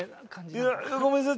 いやごめんなさい